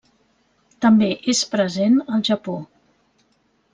També és present al Japó.